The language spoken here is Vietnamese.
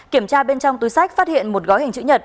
kiểm tra bên trong túi sách phát hiện một gói hình chữ nhật